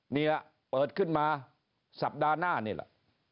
นี่แหละเปิดขึ้นมาสัปดาห์หน้านี่แหละ